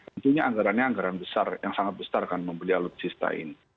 tentunya anggarannya anggaran besar yang sangat besar kan membeli alutsista ini